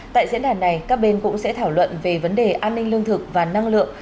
tại diễn đàn này các bên cũng sẽ thảo luận về vấn đề an ninh lương thực và năng lượng